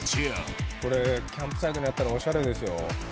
これ、キャンプサイトにあったら、おしゃれですよ。